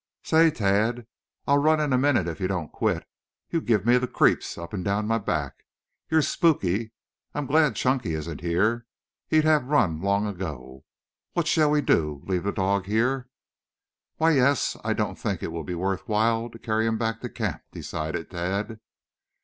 "Say, Tad, I'll run in a minute if you don't quit. You give me the creeps up and down my back. You're spooky. I'm glad Chunky isn't here. He'd have run long ago. What shall we do, leave the dog here?" "Why, yes, I don't think it will be worth while to carry him back to camp," decided Tad.